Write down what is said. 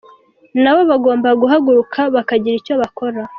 Nabo bagomba guhaguruka bakagira icyo bakora.